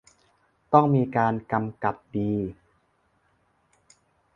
ต้องมีการกำกับดี